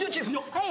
はい。